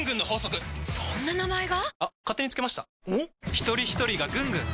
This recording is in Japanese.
ひとりひとりがぐんぐん！